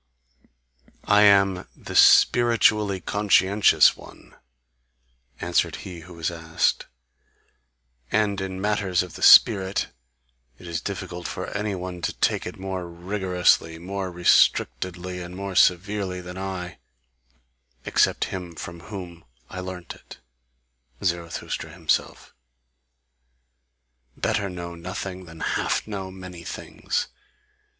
"I am THE SPIRITUALLY CONSCIENTIOUS ONE," answered he who was asked, "and in matters of the spirit it is difficult for any one to take it more rigorously, more restrictedly, and more severely than I, except him from whom I learnt it, Zarathustra himself. Better know nothing than half know many things!